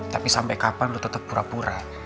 tapi sampai kapan lo tetap pura pura